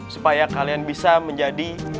supaya kalian bisa menjadi